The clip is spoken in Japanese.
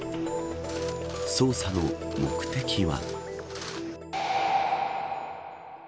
捜査の目的は。